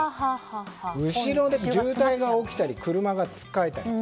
後ろで渋滞が起きたり車がつっかえたり。